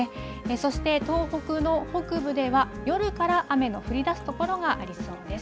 そして東北の北部では夜から雨の降りだす所がありそうです。